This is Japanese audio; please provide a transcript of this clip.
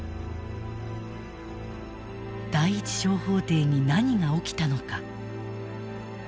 第一小法廷に何が起きたのか。